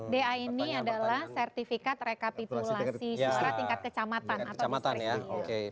daa ini adalah sertifikat rekapitulasi sesuara tingkat kecamatan atau diserik